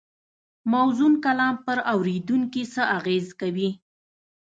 موزون کلام پر اورېدونکي ښه اغېز کوي